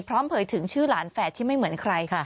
เผยถึงชื่อหลานแฝดที่ไม่เหมือนใครค่ะ